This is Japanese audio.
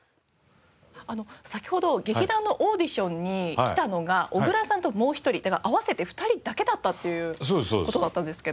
先ほど劇団のオーディションに来たのが小倉さんともう一人だから合わせて２人だけだったっていう事だったんですけど。